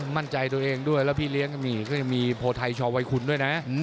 มั่นใจตัวเองด้วยแล้วพี่เลี้ยงก็มีก็ยังมีโพไทยชอวัยคุณด้วยนะ